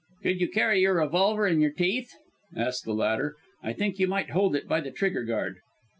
"Could you carry your revolver in your teeth?" asked the latter. "I think you might hold it by the trigger guard."